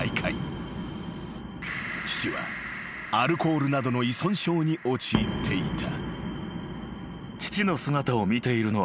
［父はアルコールなどの依存症に陥っていた］